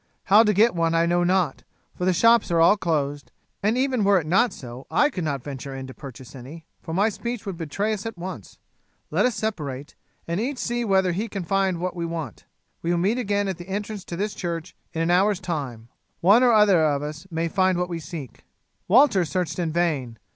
How to get one I know not, for the shops are all closed, and even were it not so I could not venture in to purchase any, for my speech would betray us at once. Let us separate, and each see whether he can find what we want. We will meet again at the entrance to this church in an hour's time. One or other of us may find what we seek." Walter searched in vain.